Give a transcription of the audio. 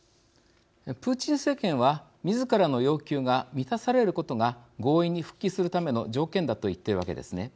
プーチン政権はみずからの要求が満たされることが合意に復帰するための条件だと言っているわけですね。